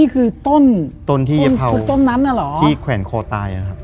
คือต้นที่แยะเภาที่แขวนคอตาย